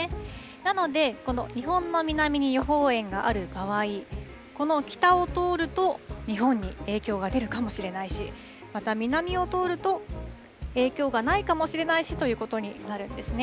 なので、この日本の南に予報円がある場合、この北を通ると、日本に影響が出るかもしれないし、また南を通ると、影響がないかもしれないしということになるんですね。